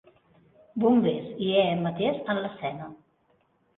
Bombers i EMT s en l'escena.